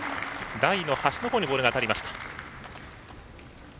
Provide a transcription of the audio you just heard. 台の端の方にボールが当たりました。